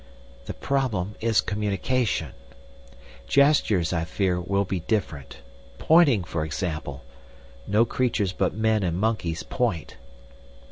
"The problem is communication. Gestures, I fear, will be different. Pointing, for example. No creatures but men and monkeys point."